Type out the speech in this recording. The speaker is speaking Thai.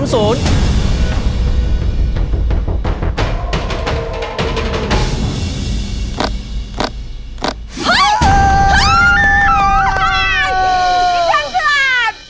มิสเต็มควัตร